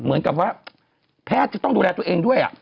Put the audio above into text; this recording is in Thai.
เหมือนกับว่าแพทย์จะต้องดูแลตัวเองด้วย